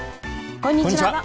こんにちは。